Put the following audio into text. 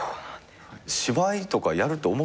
芝居とかやると思ってた？